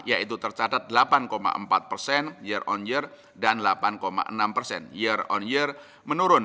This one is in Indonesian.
yaitu tercatat delapan empat persen year on year dan delapan enam persen year on year menurun